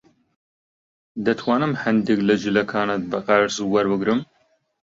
دەتوانم هەندێک لە جلەکانت بە قەرز وەربگرم؟